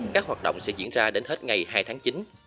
các hoạt động sẽ diễn ra đến hết ngày hai tháng chín